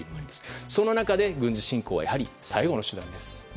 その中で、軍事侵攻はやはり最後の手段です。